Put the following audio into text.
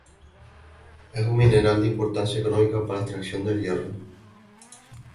Es un mineral de importancia económica para la extracción del hierro.